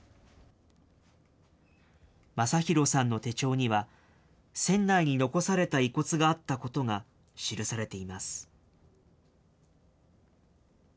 昌弘さんの手帳には、船内に残された遺骨があったことが記されています。